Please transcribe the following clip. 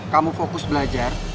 kamu fokus belajar